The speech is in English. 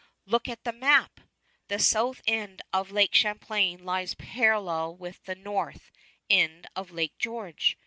Look at the map! The south end of Lake Champlain lies parallel with the north end of Lake George.